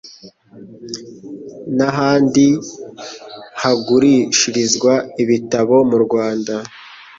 n'ahandi hagurishirizwa ibitabo mu Rwanda.